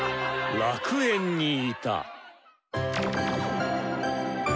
楽園にいた。